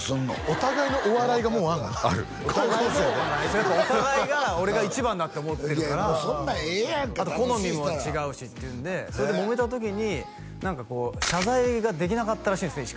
お互いのお笑いがもうあるあるお互いが俺が一番だって思ってるからそんなんええやんかあと好みも違うしっていうんでそれでもめた時に何か謝罪ができなかったらしいんですね